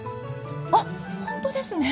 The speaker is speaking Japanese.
あっ本当ですね。